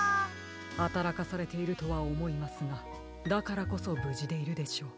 はたらかされているとはおもいますがだからこそぶじでいるでしょう。